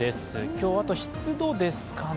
今日湿度ですかね。